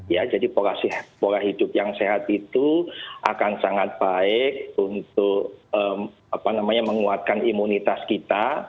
ya jadi pola hidup yang sehat itu akan sangat baik untuk menguatkan imunitas kita